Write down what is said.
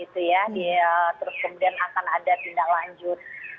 terus kemudian akan ada tindak lanjut